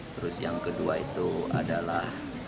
terus yang kedua itu adalah